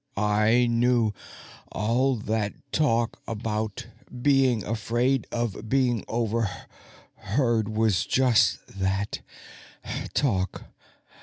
"I knew all that talk about being afraid of being overheard was just that talk.